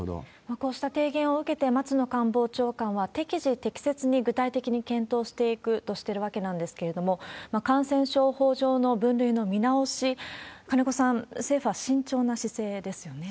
こうした提言を受けて、松野官房長官は、適時適切に具体的に検討していくとしているわけなんですけれども、感染症法上の分類の見直し、金子さん、政府は慎重な姿勢ですよね。